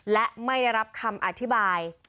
และไม่ได้รับคำอธิบาย